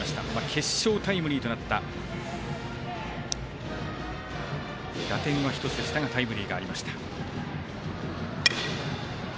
決勝タイムリーとなった打点は１つでしたがタイムリーがありました。